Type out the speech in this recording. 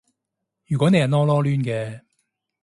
如果你係囉囉攣嘅